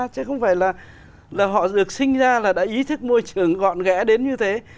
chứ không phải là họ được sinh ra là đã ý thức môi trường gọn ghẽ đến như thế